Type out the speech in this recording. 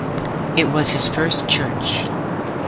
It was his first church.